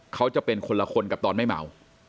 เขาจะเป็นคนละคนกับตอนไม่เมา